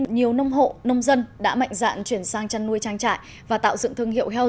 nhiều nông hộ nông dân đã mạnh dạn chuyển sang chăn nuôi trang trại và tạo dựng thương hiệu heo rừng